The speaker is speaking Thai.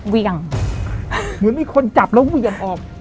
เหวี่ยงเหมือนมีคนจับแล้วเหวี่ยงออก